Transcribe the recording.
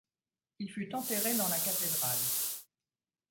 Il fut enterré dans la cathédrale.